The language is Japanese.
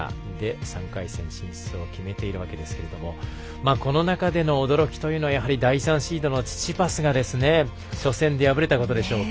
３回戦進出を決めているわけですけどこの中での驚きというのはやはり第３シードのチチパスが初戦で敗れたことでしょうか。